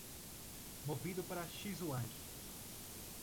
Movido para Xinzhuang